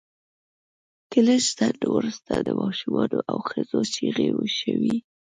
له لږ ځنډ وروسته د ماشومانو او ښځو چیغې شوې